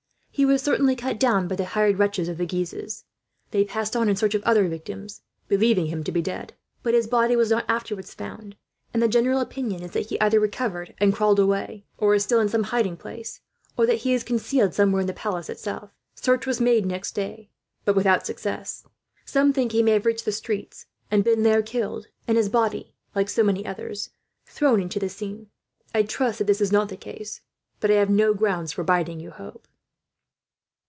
He was certainly cut down by the hired wretches of the Guises. They passed on in search of other victims, believing him to be dead; but his body was not afterwards found, and the general opinion is that he either recovered and crawled away, and is still in some hiding place, or that he is concealed somewhere in the palace itself. Search was made next day, but without success. Some think he may have reached the streets, and been there killed; and his body, like so many others, thrown into the Seine. I trust that this is not the case, but I have no grounds for bidding you hope."